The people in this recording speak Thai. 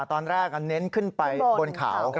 ตอนแรกเน้นขึ้นไปบนเขา